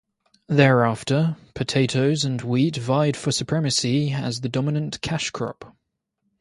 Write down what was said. Thereafter, potatoes and wheat vied for supremacy as the dominant cash crop.